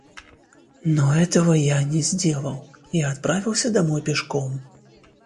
Но я этого не сделал, а отправился домой пешком.